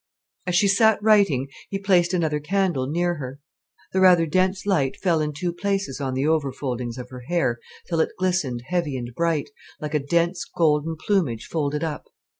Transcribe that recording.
As she sat writing, he placed another candle near her. The rather dense light fell in two places on the overfoldings of her hair till it glistened heavy and bright, like a dense golden plumage folded up.